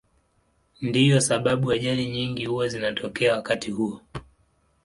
Ndiyo sababu ajali nyingi huwa zinatokea wakati huo.